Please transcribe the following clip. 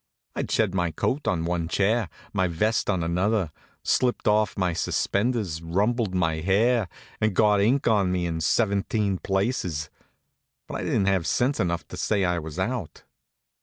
I'd shed my coat on one chair, my vest on another, slipped off my suspenders, rumpled my hair, and got ink on me in seventeen places. But I didn't have sense enough to say I was out.